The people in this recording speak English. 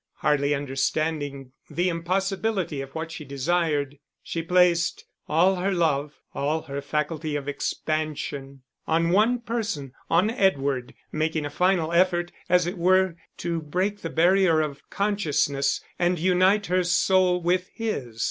Hardly understanding the impossibility of what she desired, she placed all her love, all her faculty of expansion, on one person, on Edward, making a final effort, as it were, to break the barrier of consciousness and unite her soul with his.